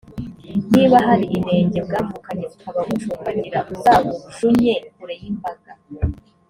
niba hari inenge bwavukanye, bukaba bucumbagira uzabujunye kure y’imbaga